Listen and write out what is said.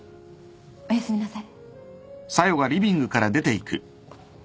おやすみなさい。